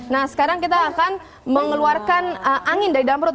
nah sekarang kita akan mengeluarkan angin dari dalam perut